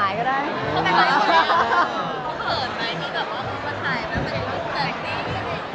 พี่เขาพี่เขาห่อ